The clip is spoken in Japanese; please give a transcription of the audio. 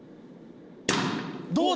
どうだ？